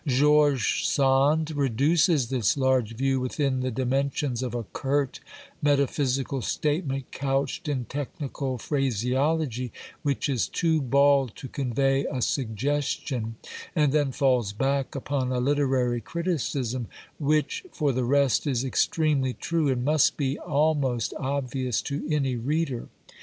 George Sand reduces this large view , within the dimensions of a curt metaphysical statement couched in technical phraseology which is too bald to convey a suggestion, and then falls back upon a literary criticism, which, for the rest, is extremely true and must be almost obvious to any reader.